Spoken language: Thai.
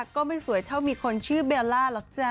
ก็ไม่สวยเท่ามีคนชื่อเบลล่าหรอกจ๊ะ